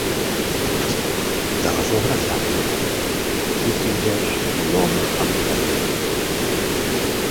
De les obres de Rembrandt es distingeix l"Home amb cadena d'or".